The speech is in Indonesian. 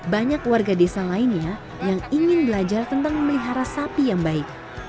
banyak warga desa lainnya yang ingin belajar tentang memelihara sapi yang baik